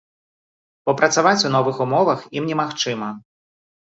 Бо працаваць у новых умовах ім немагчыма.